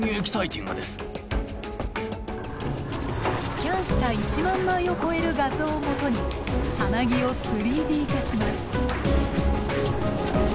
スキャンした１万枚を超える画像を基に蛹を３Ｄ化します。